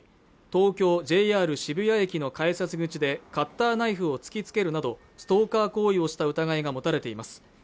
東京ＪＲ渋谷駅の改札口でカッターナイフを突きつけるなどストーカー行為をした疑いが持たれています